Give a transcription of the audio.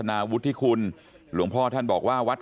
อ่าตอนไปวัด